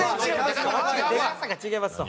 でかさが違いますわ。